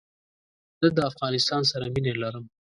زه دافغانستان سره مينه لرم